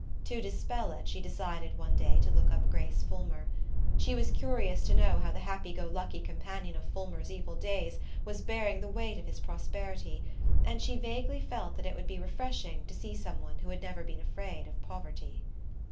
To dispel it she decided one day to look up Grace Fulmer. She was curious to know how the happy go lucky companion of Fulmer's evil days was bearing the weight of his prosperity, and she vaguely felt that it would be refreshing to see some one who had never been afraid of poverty.